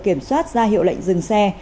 kiểm soát ra hiệu lệnh dừng xe